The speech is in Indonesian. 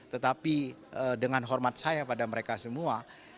tetapi dengan hormat saya pada mereka semua